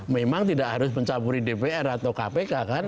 memang tidak harus mencaburi dpr atau kpk kan